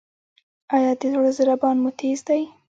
ایا د زړه ضربان مو تېز دی؟